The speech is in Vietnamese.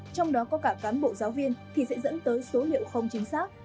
trong đó có cả cán bộ giáo viên thì sẽ dẫn tới số liệu không chính xác